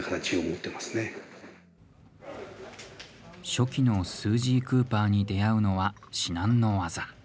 初期のスージー・クーパーに出会うのは至難の技。